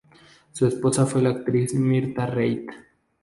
Su esposa fue la actriz Mirtha Reid.